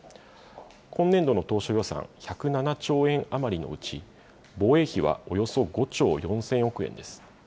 今年度の当初予算１０７兆円余りのうち、防衛費はおよそ５兆４０００億円です。